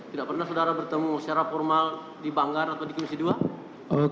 tidak pernah saudara bertemu secara formal di banggar atau di komisi dua